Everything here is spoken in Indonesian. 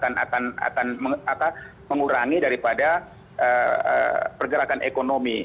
kalau misalnya ini juga akan mengurangi daripada pergerakan ekonomi